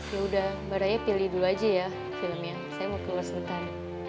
yaudah baraya pilih dulu aja ya filmnya saya mau keluar sebentar